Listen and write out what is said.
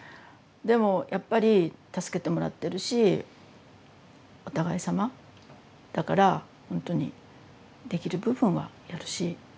でもやっぱり助けてもらってるしお互いさまだからほんとにできる部分はやるし。